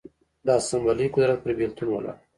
د اسامبلې قدرت پر بېلتون ولاړ و.